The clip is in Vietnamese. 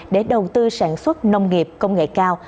để đầu tư sản xuất nông nghiệp công nghệ cao